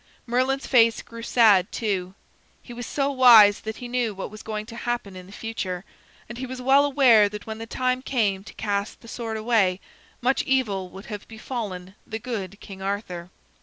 Merlin's face grew sad, too. He was so wise that he knew what was going to happen in the future, and he was well aware that when the time came to cast the sword away, much evil would have befallen the good King Arthur.